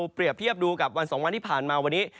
เปรียบเทียบดูกับวัน๒วันที่ผ่านมาวันนี้